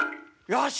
よし！